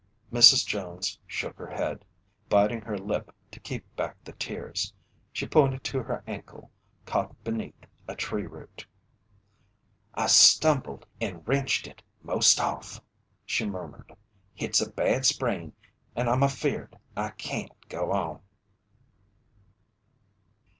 Mrs. Jones shook her head, biting her lip to keep back the tears. She pointed to her ankle, caught beneath a tree root. "I stumbled and wrenched it 'most off," she murmured. "Hit's a bad sprain and I'm afeared I can't go on."